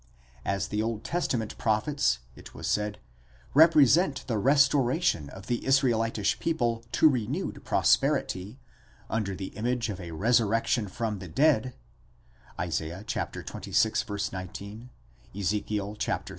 As the Old Testament prophets, it was said, represent the restoration of the Israelitish people to renewed prosperity, under the image of a resurrection from the dead (Isa, xxvi. 19; Ezek. xxxvii.)